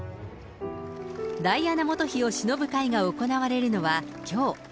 ダイアナ元妃をしのぶ会が行われるのは、きょう。